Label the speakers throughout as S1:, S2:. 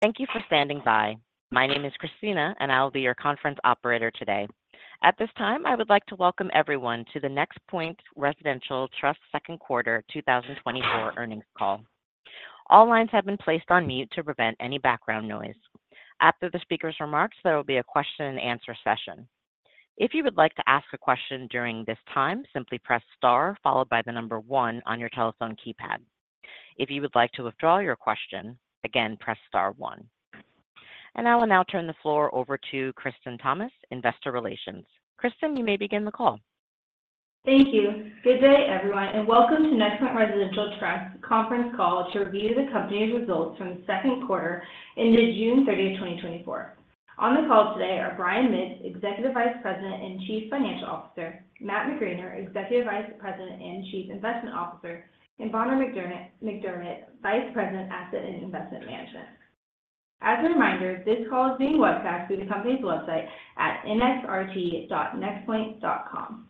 S1: Thank you for standing by. My name is Christina, and I'll be your conference operator today. At this time, I would like to welcome everyone to the NexPoint Residential Trust second quarter 2024 earnings call. All lines have been placed on mute to prevent any background noise. After the speaker's remarks, there will be a question-and-answer session. If you would like to ask a question during this time, simply press star followed by the number one on your telephone keypad. If you would like to withdraw your question, again, press star one. I will now turn the floor over to Kristen Thomas, Investor Relations. Kristen, you may begin the call.
S2: Thank you. Good day, everyone, and welcome to NexPoint Residential Trust conference call to review the company's results from the second quarter ended June 30, 2024. On the call today are Brian Mitts, Executive Vice President and Chief Financial Officer; Matt McGraner, Executive Vice President and Chief Investment Officer; and Bonner McDermott, Vice President, Asset and Investment Management. As a reminder, this call is being webcast through the company's website at nxrt.nexpoint.com.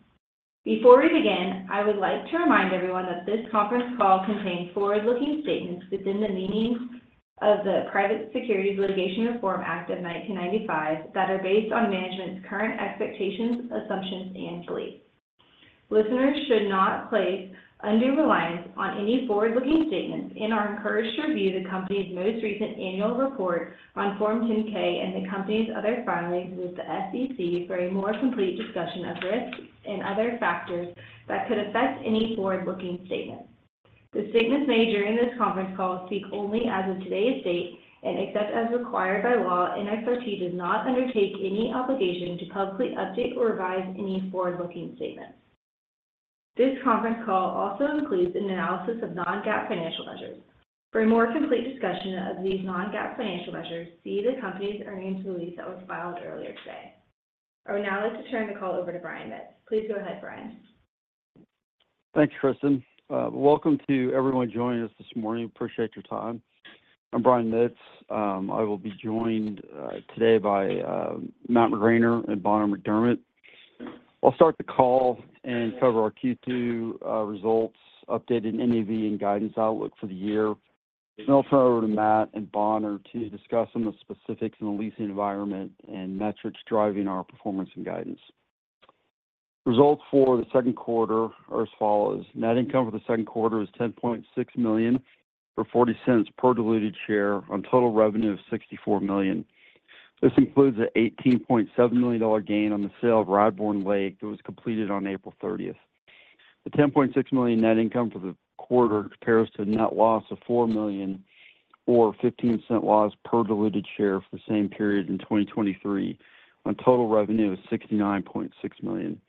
S2: Before we begin, I would like to remind everyone that this conference call contains forward-looking statements within the meaning of the Private Securities Litigation Reform Act of 1995 that are based on management's current expectations, assumptions, and beliefs. Listeners should not place undue reliance on any forward-looking statements and are encouraged to review the company's most recent annual report on Form 10-K and the company's other filings with the SEC for a more complete discussion of risks and other factors that could affect any forward-looking statements. The statements made during this conference call speak only as of today's date and, except as required by law, NXRT does not undertake any obligation to publicly update or revise any forward-looking statements. This conference call also includes an analysis of non-GAAP financial measures. For a more complete discussion of these non-GAAP financial measures, see the company's earnings release that was filed earlier today. I would now like to turn the call over to Brian Mitts. Please go ahead, Brian.
S3: Thanks, Kristen. Welcome to everyone joining us this morning. Appreciate your time. I'm Brian Mitts. I will be joined today by Matt McGraner and Bonner McDermott. I'll start the call and cover our Q2 results, updated NAV and guidance outlook for the year. Then I'll turn it over to Matt and Bonner to discuss some of the specifics in the leasing environment and metrics driving our performance and guidance. Results for the second quarter are as follows. Net income for the second quarter is $10.6 million or $0.40 per diluted share on total revenue of $64 million. This includes an $18.7 million gain on the sale of Radbourne Lake that was completed on April 30. The $10.6 million net income for the quarter compares to a net loss of $4 million or $0.15 loss per diluted share for the same period in 2023, when total revenue was $69.6 million.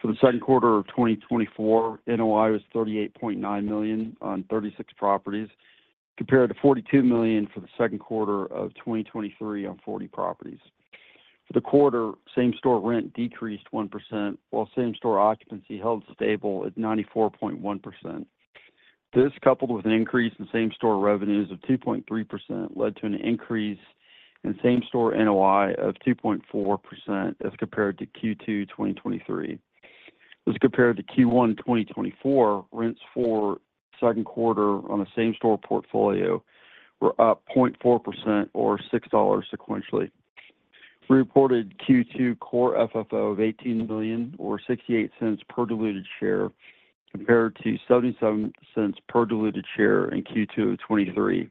S3: For the second quarter of 2024, NOI was $38.9 million on 36 properties, compared to $42 million for the second quarter of 2023 on 40 properties. For the quarter, same-store rent decreased 1%, while same-store occupancy held stable at 94.1%. This, coupled with an increase in same-store revenues of 2.3%, led to an increase in same-store NOI of 2.4% as compared to Q2 2023. As compared to Q1 2024, rents for the second quarter on the same-store portfolio were up 0.4% or $6 sequentially. We reported Q2 core FFO of $18 million or $0.68 per diluted share, compared to $0.77 per diluted share in Q2 of 2023.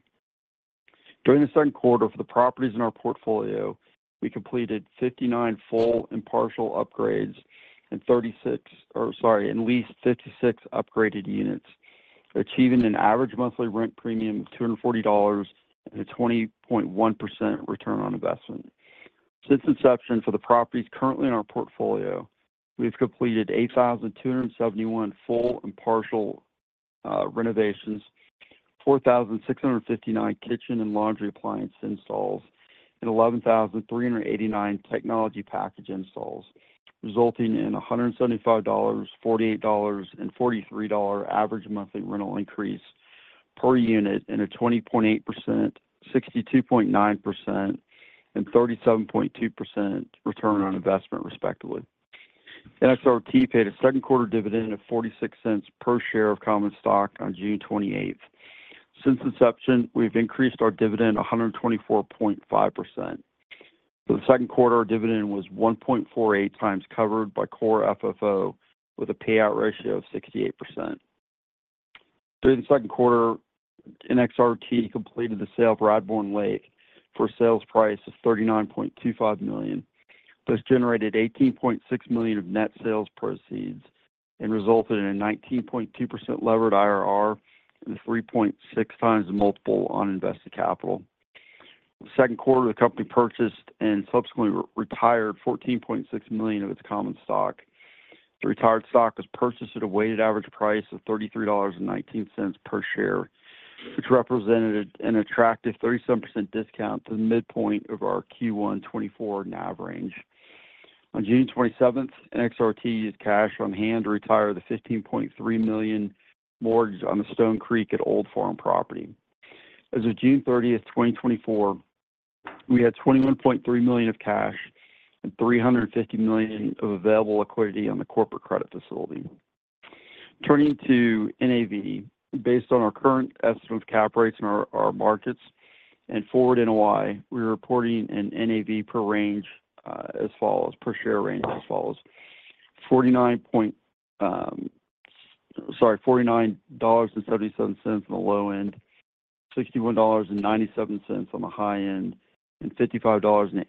S3: During the second quarter, for the properties in our portfolio, we completed 59 full and partial upgrades and leased 56 upgraded units, achieving an average monthly rent premium of $240 and a 20.1% return on investment. Since inception for the properties currently in our portfolio, we've completed 8,271 full and partial renovations, 4,659 kitchen and laundry appliance installs, and 11,389 technology package installs, resulting in $175, $48, and $43 average monthly rental increase per unit and a 20.8%, 62.9%, and 37.2% return on investment, respectively. NXRT paid a second-quarter dividend of $0.46 per share of common stock on June 28. Since inception, we've increased our dividend 124.5%. For the second quarter, our dividend was 1.48 times covered by Core FFO, with a payout ratio of 68%. During the second quarter, NXRT completed the sale of Radbourne Lake for a sales price of $39.25 million. This generated $18.6 million of net sales proceeds and resulted in a 19.2% levered IRR and 3.6x the multiple on invested capital. The second quarter, the company purchased and subsequently retired $14.6 million of its common stock. The retired stock was purchased at a weighted average price of $33.19 per share, which represented an attractive 37% discount to the midpoint of our Q1 2024 NAV range. On June 27, NXRT used cash on hand to retire the $15.3 million mortgage on the Stone Creek at Old Farm property. As of June 30th 2024, we had $21.3 million of cash and $350 million of available liquidity on the corporate credit facility. Turning to NAV, based on our current estimate of cap rates in our markets and forward NOI, we're reporting an NAV per range as follows, per share range as follows: $49.77 on the low end, $61.97 on the high end, and $55.87 at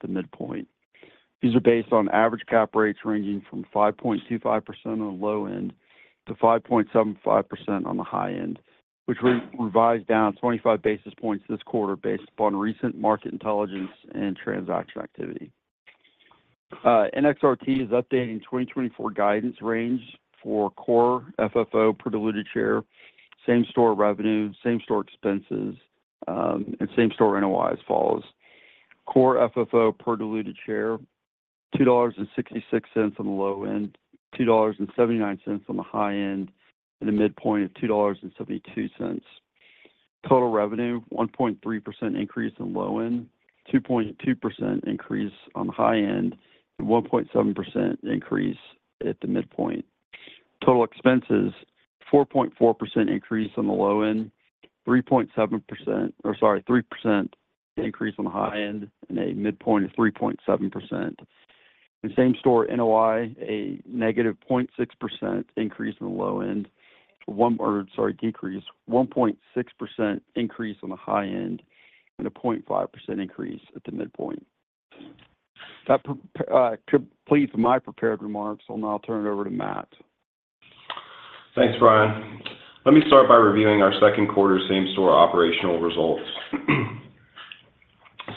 S3: the midpoint. These are based on average cap rates ranging from 5.25%-5.75%, which we revised down 25 basis points this quarter based upon recent market intelligence and transaction activity. NXRT is updating 2024 guidance range for core FFO per diluted share, same-store revenue, same-store expenses, and same-store NOI as follows. Core FFO per diluted share: $2.66 on the low end, $2.79 on the high end, and a midpoint of $2.72. Total revenue: 1.3% increase in low end, 2.2% increase on the high end, and 1.7% increase at the midpoint. Total expenses: 4.4% increase on the low end, 3.7% or sorry, 3% increase on the high end, and a midpoint of 3.7%. In same-store NOI, a negative 0.6% increase in the low end, or sorry, decrease, 1.6% increase on the high end, and a 0.5% increase at the midpoint. That completes my prepared remarks. I'll now turn it over to Matt.
S4: Thanks, Brian. Let me start by reviewing our second quarter same-store operational results.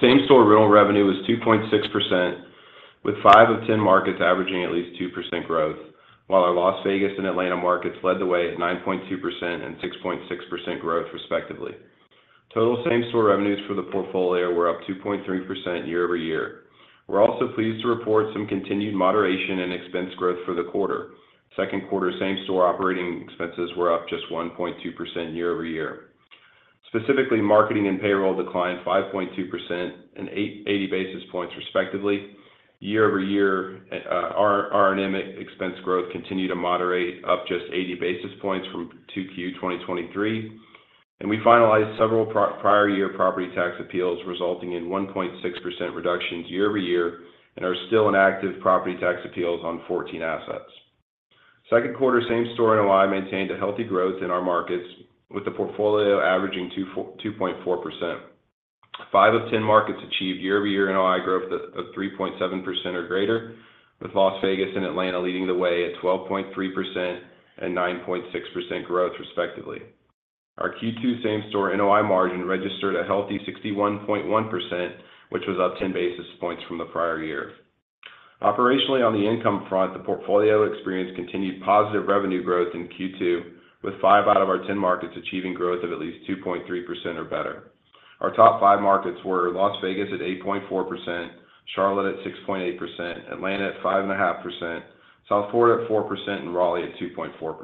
S4: Same-store rental revenue was 2.6%, with 5 of 10 markets averaging at least 2% growth, while our Las Vegas and Atlanta markets led the way at 9.2% and 6.6% growth, respectively. Total same-store revenues for the portfolio were up 2.3% year-over-year. We're also pleased to report some continued moderation in expense growth for the quarter. Second quarter same-store operating expenses were up just 1.2% year over year. Specifically, marketing and payroll declined 5.2% and 80 basis points, respectively. Year over year, our R&M expense growth continued to moderate, up just 80 basis points from Q2 2023. And we finalized several prior-year property tax appeals, resulting in 1.6% reductions year over year, and are still in active property tax appeals on 14 assets. Second quarter same-store NOI maintained a healthy growth in our markets, with the portfolio averaging 2.4%. Five of 10 markets achieved year-over-year NOI growth of 3.7% or greater, with Las Vegas and Atlanta leading the way at 12.3% and 9.6% growth, respectively. Our Q2 same-store NOI margin registered a healthy 61.1%, which was up 10 basis points from the prior year. Operationally, on the income front, the portfolio experienced continued positive revenue growth in Q2, with five out of our 10 markets achieving growth of at least 2.3% or better. Our top five markets were Las Vegas at 8.4%, Charlotte at 6.8%, Atlanta at 5.5%, South Florida at 4%, and Raleigh at 2.4%.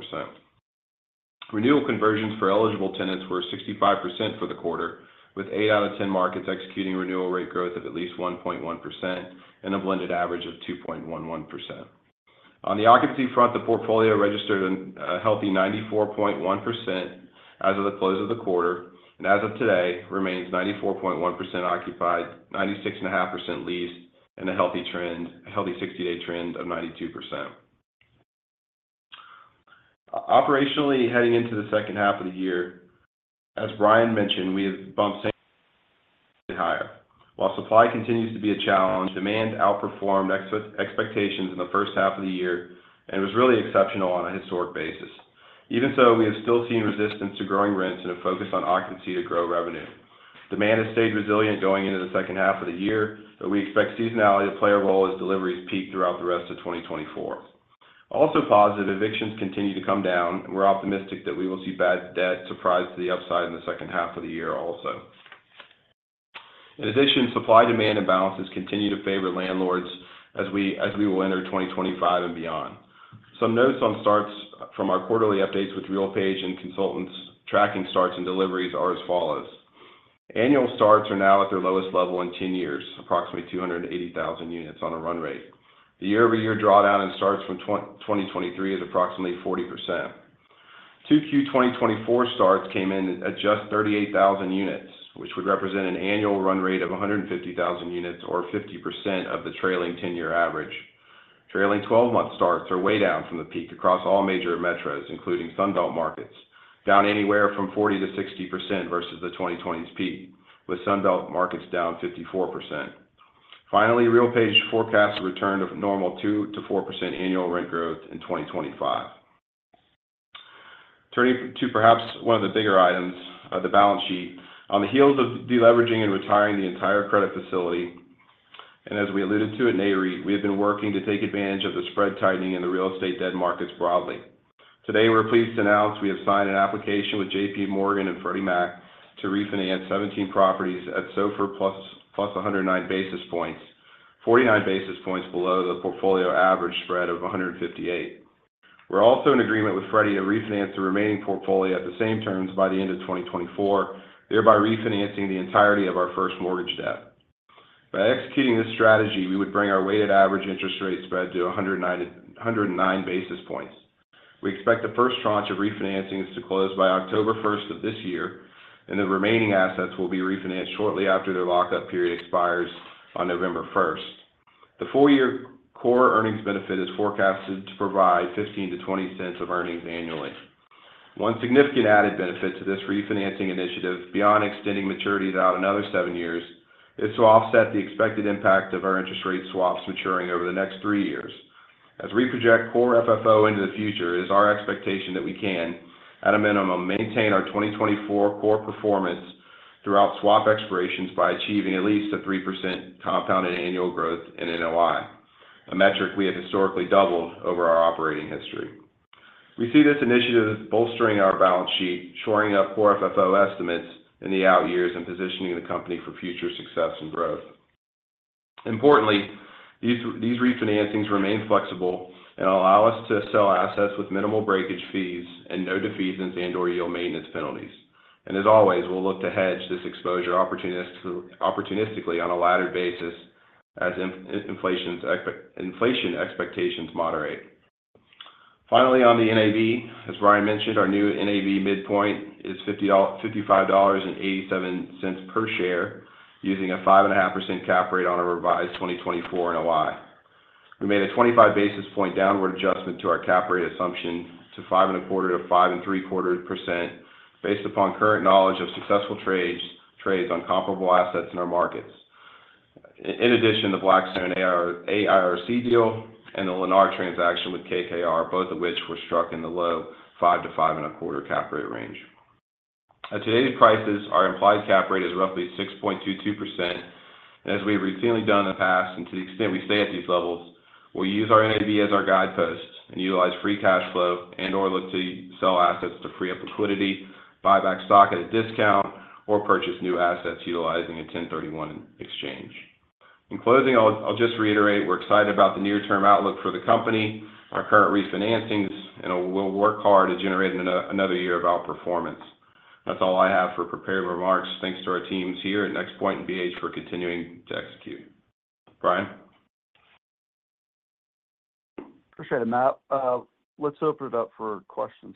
S4: Renewal conversions for eligible tenants were 65% for the quarter, with eight out of 10 markets executing renewal rate growth of at least 1.1% and a blended average of 2.11%. On the occupancy front, the portfolio registered a healthy 94.1% as of the close of the quarter, and as of today, remains 94.1% occupied, 96.5% leased, and a healthy trend, a healthy 60-day trend of 92%. Operationally, heading into the second half of the year, as Brian mentioned, we have bumped higher. While supply continues to be a challenge, demand outperformed expectations in the first half of the year and was really exceptional on a historic basis. Even so, we have still seen resistance to growing rents and a focus on occupancy to grow revenue. Demand has stayed resilient going into the second half of the year, but we expect seasonality to play a role as deliveries peak throughout the rest of 2024. Also, positive evictions continue to come down, and we're optimistic that we will see bad debt surprise to the upside in the second half of the year also. In addition, supply-demand imbalances continue to favor landlords as we will enter 2025 and beyond. Some notes on starts from our quarterly updates with RealPage and consultants tracking starts and deliveries are as follows. Annual starts are now at their lowest level in 10 years, approximately 280,000 units on a run rate. The year-over-year drawdown in starts from 2023 is approximately 40%. Q2 2024 starts came in at just 38,000 units, which would represent an annual run rate of 150,000 units or 50% of the trailing 10-year average. Trailing 12-month starts are way down from the peak across all major metros, including Sunbelt markets, down anywhere from 40%-60% versus the 2020s peak, with Sunbelt markets down 54%. Finally, RealPage forecasts a return of normal 2%-4% annual rent growth in 2025. Turning to perhaps one of the bigger items, the balance sheet, on the heels of deleveraging and retiring the entire credit facility, and as we alluded to at Nareit, we have been working to take advantage of the spread tightening in the real estate debt markets broadly. Today, we're pleased to announce we have signed an application with JPMorgan and Freddie Mac to refinance 17 properties at SOFR plus 109 basis points, 49 basis points below the portfolio average spread of 158. We're also in agreement with Freddie to refinance the remaining portfolio at the same terms by the end of 2024, thereby refinancing the entirety of our first mortgage debt. By executing this strategy, we would bring our weighted average interest rate spread to 109 basis points. We expect the first tranche of refinancing is to close by October 1 of this year, and the remaining assets will be refinanced shortly after their lockup period expires on November 1st. The four-year core earnings benefit is forecasted to provide $0.15-$0.20 of earnings annually. One significant added benefit to this refinancing initiative, beyond extending maturity to another seven years, is to offset the expected impact of our interest rate swaps maturing over the next three years. As we project Core FFO into the future, it is our expectation that we can, at a minimum, maintain our 2024 core performance throughout swap expirations by achieving at least a 3% compounded annual growth in NOI, a metric we have historically doubled over our operating history. We see this initiative bolstering our balance sheet, shoring up core FFO estimates in the out years and positioning the company for future success and growth. Importantly, these refinancings remain flexible and allow us to sell assets with minimal breakage fees and no defeasance and/or yield maintenance penalties. And as always, we'll look to hedge this exposure opportunistically on a laddered basis as inflation expectations moderate. Finally, on the NAV, as Brian mentioned, our new NAV midpoint is $55.87 per share using a 5.5% cap rate on a revised 2024 NOI. We made a 25 basis point downward adjustment to our cap rate assumption to 5.25%-5.75% based upon current knowledge of successful trades on comparable assets in our markets. In addition, the Blackstone AIR deal and the Lennar transaction with KKR, both of which were struck in the low 5%-5.25% cap rate range. At today's prices, our implied Cap Rate is roughly 6.22%. And as we've routinely done in the past, and to the extent we stay at these levels, we'll use our NAV as our guidepost and utilize free cash flow and/or look to sell assets to free up liquidity, buy back stock at a discount, or purchase new assets utilizing a 1031 Exchange. In closing, I'll just reiterate, we're excited about the near-term outlook for the company, our current refinancings, and we'll work hard to generate another year of outperformance. That's all I have for prepared remarks. Thanks to our teams here at NexPoint and BH for continuing to execute. Brian?
S3: Appreciate it, Matt. Let's open it up for questions.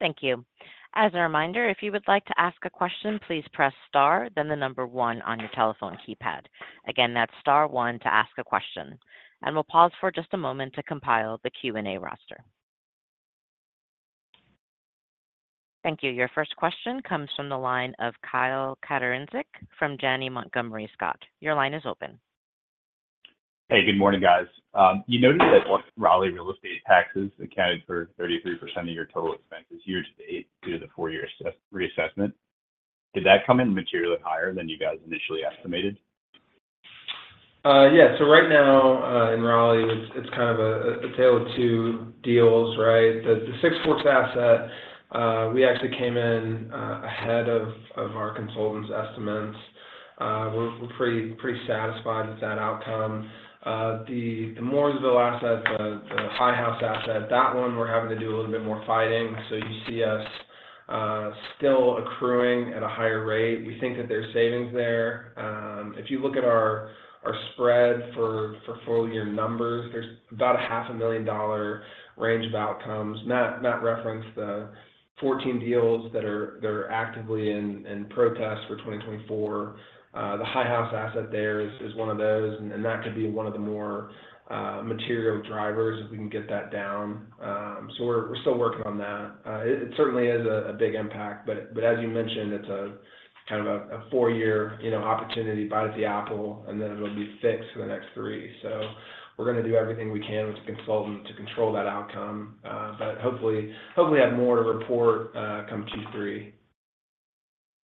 S1: Thank you. As a reminder, if you would like to ask a question, please press star, then the number one on your telephone keypad. Again, that's star one to ask a question. And we'll pause for just a moment to compile the Q&A roster. Thank you. Your first question comes from the line of Kyle Katorincek from Janney Montgomery Scott. Your line is open.
S5: Hey, good morning, guys. You noted that Raleigh real estate taxes accounted for 33% of your total expenses year to date due to the four-year reassessment. Did that come in materially higher than you guys initially estimated?
S6: Yeah. So right now in Raleigh, it's kind of a tale of two deals, right? The Six Forks asset, we actually came in ahead of our consultants' estimates. We're pretty satisfied with that outcome. The Mooresville asset, the High House asset, that one we're having to do a little bit more fighting. So you see us still accruing at a higher rate. We think that there's savings there. If you look at our spread for four-year numbers, there's about a $500,000 range of outcomes. Matt referenced the 14 deals that are actively in protest for 2024. The High House asset there is one of those, and that could be one of the more material drivers if we can get that down. So we're still working on that. It certainly is a big impact, but as you mentioned, it's kind of a four-year opportunity, bite at the apple, and then it'll be fixed for the next three. So we're going to do everything we can with the consultant to control that outcome, but hopefully have more to report come Q3.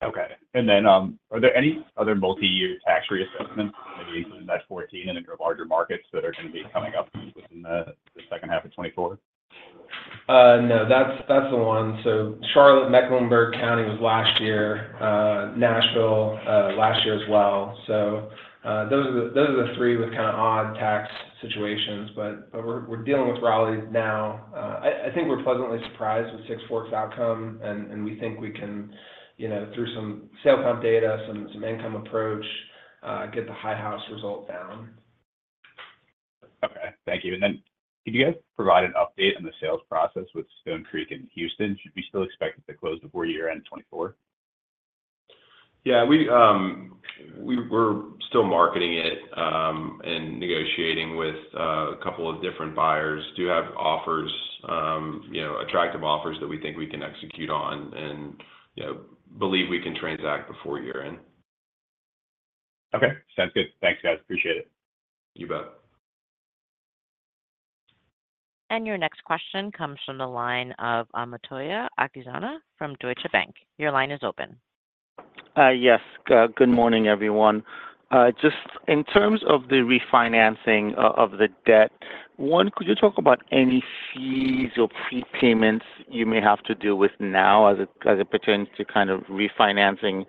S5: Okay. And then are there any other multi-year tax reassessments, maybe including that 14 and in your larger markets that are going to be coming up within the second half of 2024?
S6: No, that's the one. So Charlotte, Mecklenburg County was last year, Nashville last year as well. So those are the three with kind of odd tax situations, but we're dealing with Raleigh now. I think we're pleasantly surprised with Six Forks' outcome, and we think we can, through some sale comp data, some income approach, get the High House result down.
S5: Okay. Thank you. And then could you guys provide an update on the sales process with Stone Creek in Houston? Should we still expect it to close before year-end 2024?
S4: Yeah. We're still marketing it and negotiating with a couple of different buyers. Do have offers, attractive offers that we think we can execute on and believe we can transact before year-end.
S5: Okay. Sounds good. Thanks, guys. Appreciate it.
S4: You bet.
S1: Your next question comes from the line of Omotayo Okusanya from Deutsche Bank. Your line is open.
S7: Yes. Good morning, everyone. Just in terms of the refinancing of the debt, one, could you talk about any fees or prepayments you may have to deal with now as it pertains to kind of refinancing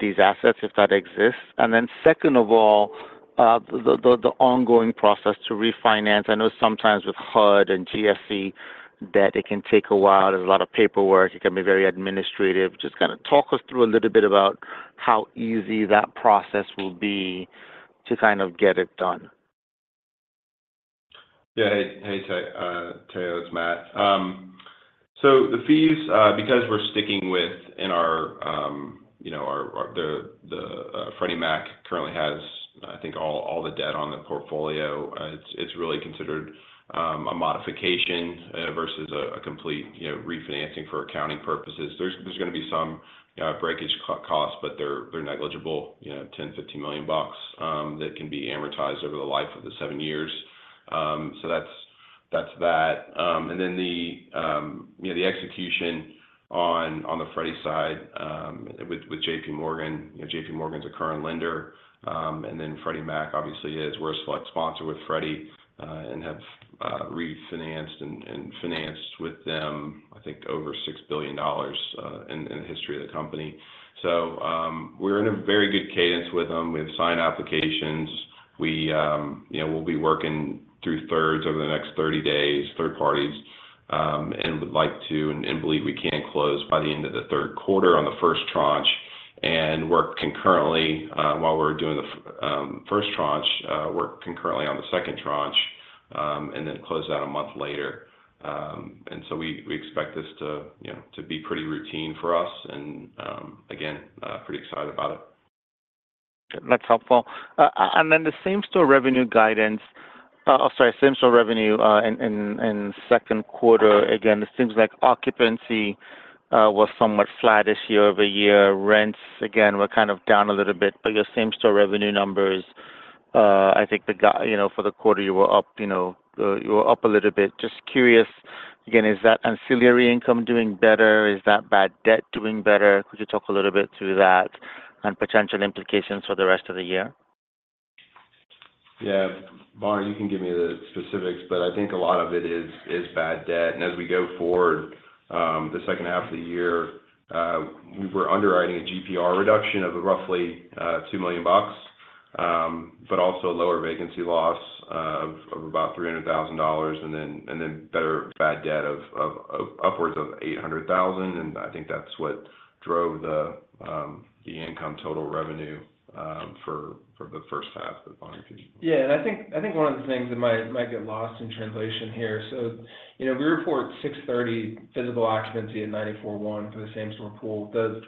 S7: these assets, if that exists? And then second of all, the ongoing process to refinance. I know sometimes with HUD and GSC debt, it can take a while. There's a lot of paperwork. It can be very administrative. Just kind of talk us through a little bit about how easy that process will be to kind of get it done.
S4: Yeah. Hey, Teo. It's Matt. So the fees, because we're sticking with in our the Freddie Mac currently has, I think, all the debt on the portfolio. It's really considered a modification versus a complete refinancing for accounting purposes. There's going to be some breakage costs, but they're negligible, $10 million-$15 million that can be amortized over the life of the seven years. So that's that. And then the execution on the Freddie side with JPMorgan. JPMorgan's a current lender. And then Freddie Mac, obviously, is we're a select sponsor with Freddie and have refinanced and financed with them, I think, over $6 billion in the history of the company. So we're in a very good cadence with them. We have signed applications. We'll be working through third parties over the next 30 days, and would like to and believe we can close by the end of the third quarter on the first tranche and work concurrently while we're doing the first tranche, work concurrently on the second tranche, and then close that a month later. And so we expect this to be pretty routine for us. And again, pretty excited about it.
S7: That's helpful. And then the same-store revenue guidance, oh, sorry, same-store revenue in second quarter. Again, it seems like occupancy was somewhat flat this year-over-year. Rents, again, were kind of down a little bit. But your same-store revenue numbers, I think for the quarter, you were up. You were up a little bit. Just curious, again, is that ancillary income doing better? Is that bad debt doing better? Could you talk a little bit through that and potential implications for the rest of the year?
S3: Yeah. Bonner, you can give me the specifics, but I think a lot of it is bad debt. And as we go forward, the second half of the year, we were underwriting a GPR reduction of roughly $2 million, but also lower vacancy loss of about $300,000 and then better bad debt of upwards of $800,000. And I think that's what drove the income total revenue for the first half of 2024.
S6: Yeah. And I think one of the things that might get lost in translation here. So we report 6/30 physical occupancy at 94.1% for the same-store pool. The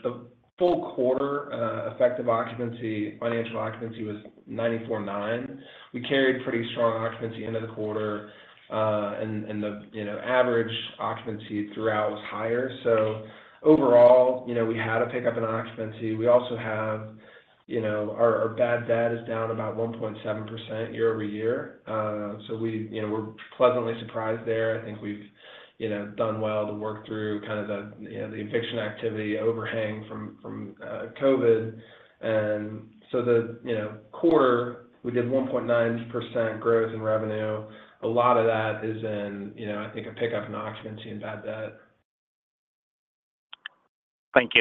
S6: full quarter effective occupancy, financial occupancy was 94.9%. We carried pretty strong occupancy into the quarter, and the average occupancy throughout was higher. So overall, we had to pick up an occupancy. We also have our bad debt is down about 1.7% year-over-year. So we're pleasantly surprised there. I think we've done well to work through kind of the eviction activity overhang from COVID. And so the quarter, we did 1.9% growth in revenue. A lot of that is in, I think, a pickup in occupancy and bad debt.
S7: Thank you.